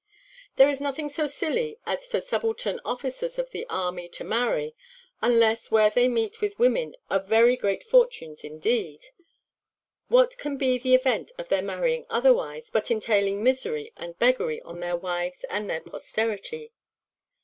There is nothing so silly as for subaltern officers of the army to marry, unless where they meet with women of very great fortunes indeed. What can be the event of their marrying otherwise, but entailing misery and beggary on their wives and their posterity?"